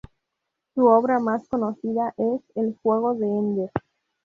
Su obra más conocida es "El juego de Ender".